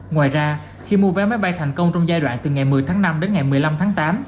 ngoài ra khi mua vé máy bay thành công trong giai đoạn từ ngày một mươi tháng năm đến ngày một mươi năm tháng tám